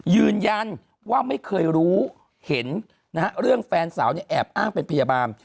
ยืนยันว่าไม่เคยรู้เห็นนะฮะเรื่องแฟนสาวเนี่ยแอบอ้างเป็นพยาบาล